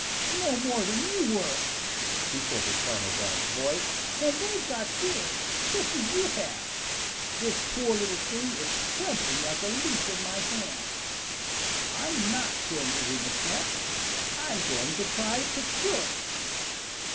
"No more than you were!" retorted Farmer Brown's boy. "And they've got feelings just as you have. This poor little thing is trembling like a leaf in my hand. I'm not going to wring its neck. I'm going to try to cure it."